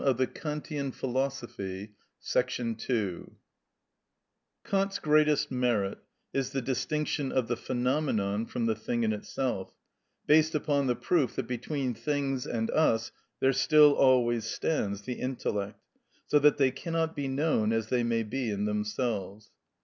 ‐‐‐‐‐‐‐‐‐‐‐‐‐‐‐‐‐‐‐‐‐‐‐‐‐‐‐‐‐‐‐‐‐‐‐‐‐ Kant's greatest merit is the distinction of the phenomenon from the thing in itself, based upon the proof that between things and us there still always stands the intellect, so that they cannot be known as they may be in themselves.